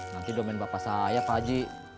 nanti domen bapak saya pakcik